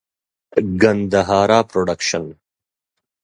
ګندهارا پروډکشن.